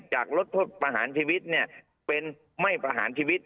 จากลดโทษประหารชีวิตเป็นไม่ประหารชีวิต